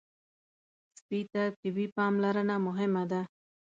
سپي ته طبي پاملرنه مهمه ده.